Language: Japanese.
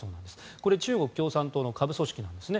これ、中国共産党の下部組織なんですね。